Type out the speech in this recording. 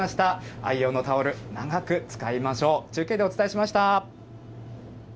愛用のタオル、長く使いましょう。